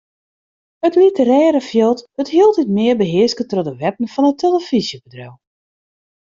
It literêre fjild wurdt hieltyd mear behearske troch de wetten fan it telefyzjebedriuw.